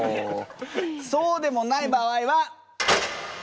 そうでもない場合は。